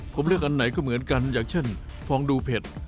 ผมเลือกอันไหนก็เหมือนกันอย่างเช่นฟองดูเผ็ด